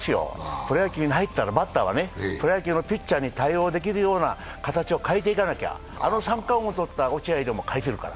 プロ野球に入ったらプロ野球のピッチャーに対応できるような形に変えていかなきゃ、あの三冠王を取った落合でも変えてるから。